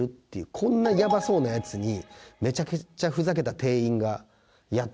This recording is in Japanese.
こんなやばそうなヤツにめちゃくちゃふざけた店員がやって来る。